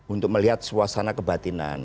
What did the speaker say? untuk melihat suasana kebatinan